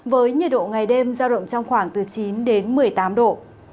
với nhiệt độ ngày đêm giao động trong khoảng từ chín đến một mươi tám độ